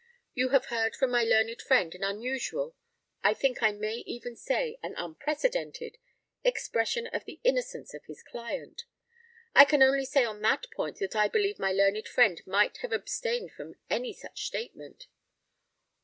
You have heard from my learned friend an unusual, I think I may even say an unprecedented, expression of the innocence of his client. I can only say on that point that I believe my learned friend might have abstained from any such statement.